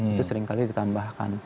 itu seringkali ditambahkan